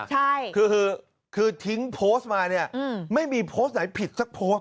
ใช่คือทิ้งโพสต์มาเนี่ยไม่มีโพสต์ไหนผิดสักโพสต์